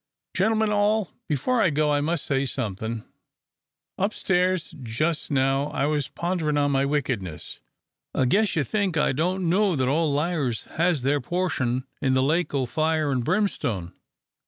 "Gen'l'men all before I go I must say somethin'. Up stairs jus' now I was ponderin' on my wickedness. I guess you think I don't know that all liars has their portion in the lake o' fire an' brimstone.